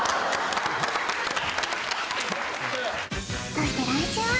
そして来週は